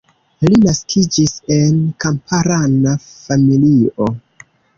Li naskiĝis en kamparana familio.